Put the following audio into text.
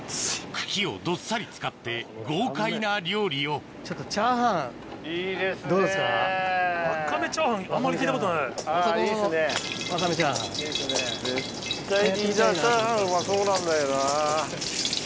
茎をどっさり使って豪快な料理を意外にチャーハンうまそうなんだよな。